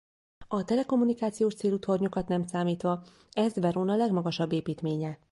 A telekommunikációs célú tornyokat nem számítva ez Verona legmagasabb építménye.